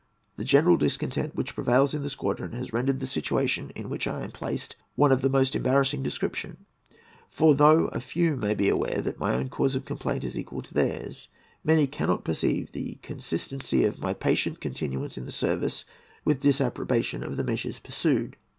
The general discontent which prevails in the squadron has rendered the situation in which I am placed one of the most embarrassing description; for, though a few may be aware that my own cause of complaint is equal to theirs, many cannot perceive the consistency of my patient continuance in the service with disapprobation of the measures pursued.